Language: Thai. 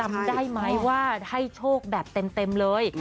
จำได้ไหมว่าให้โชคแบบเต็มเลย